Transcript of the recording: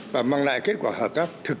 và mang lại kết quả hợp tác thực